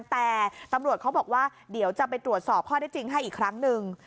แต่ตำรวจเขาบอกว่าเดี๋ยวจะไปตรวจสอบข้อได้จริงให้อีกครั้งหนึ่ง